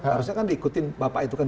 harusnya kan diikutin bapak itu kan